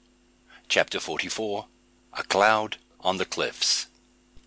CHAPTER FORTY FOUR. A CLOUD ON THE CLIFFS.